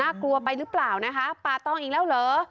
กลัวไปหรือเปล่านะคะป่าตองอีกแล้วเหรอ